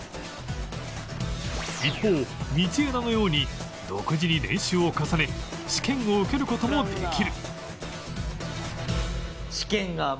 一方道枝のように独自に練習を重ね試験を受ける事もできる